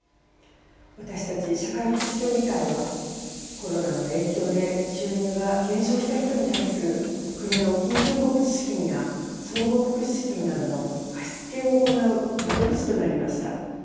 私たち社会福祉協議会はコロナの影響で収入が減少した人に対する国の緊急小口資金や総合福祉資金などの貸し付けを行う窓口となりました。